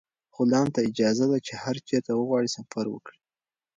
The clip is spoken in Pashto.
غلام ته اجازه ده چې هر چېرته وغواړي سفر وکړي.